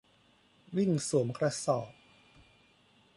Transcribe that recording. วิ่งสวมกระสอบ